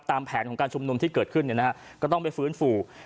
ตามแผนของการชุมนุมที่เกิดขึ้นเนี่ยนะครับก็ต้องไปฟื้นฟู